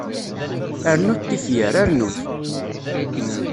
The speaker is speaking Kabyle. Rnut tifyar, rnut!